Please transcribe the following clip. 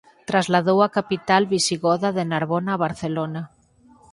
Trasladou a capital visigoda de Narbona a Barcelona.